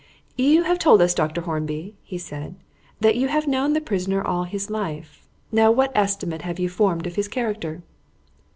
"You have told us, Mr. Hornby," said he, "that you have known the prisoner all his life. Now what estimate have you formed of his character?"